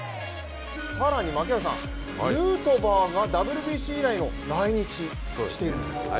更に槙原さん、ヌートバーがＷＢＣ以来の来日しているんですね。